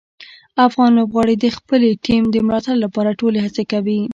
افغان لوبغاړي د خپلې ټیم د ملاتړ لپاره ټولې هڅې کوي.